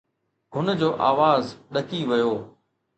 هن جو آواز ڏڪي ويو.